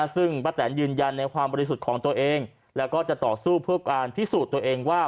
ซึ่งป้าแตนยืนยันในความบริสุทธิ์ของตัวเองแล้วก็จะต่อสู้เพื่อการพิสูจน์ตัวเองว่า